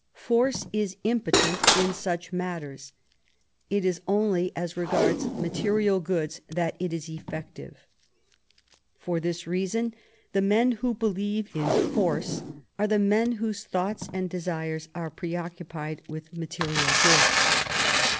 Force is impotent in such matters; it is only as regards material goods that it is effective. For this reason the men who believe in force are the men whose thoughts and desires are preoccupied with material goods.